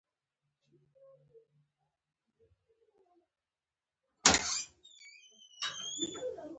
شیخان په دوو دلیلونو دا کار کوي.